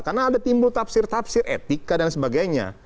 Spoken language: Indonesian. karena ada timbul tafsir tafsir etika dan sebagainya